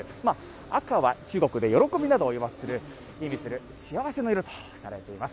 赤は中国で喜びなどを意味する幸せの色とされています。